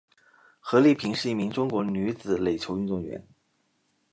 何丽萍是一名中国女子垒球运动员。